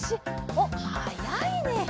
おっはやいね！